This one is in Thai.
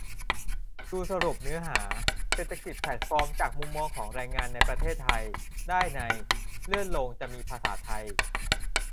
ดูสรุปเนื้อหา "เศรษฐกิจแพลตฟอร์มจากมุมมองของแรงงานในประเทศไทย" ได้ใน เลื่อนลงจะมีภาษาไทย